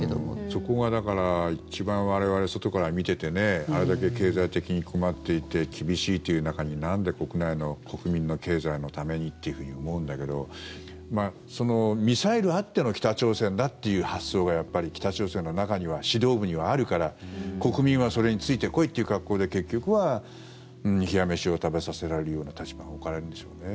そこがだから一番我々、外から見ていてあれだけ経済的に困っていて厳しいという中になんで国内の国民の経済のためにっていうふうに思うんだけどミサイルあっての北朝鮮だっていう発想がやっぱり北朝鮮の中には指導部にはあるから国民はそれについてこいという格好で結局は、冷や飯を食べさせられるような立場に置かれるんでしょうね。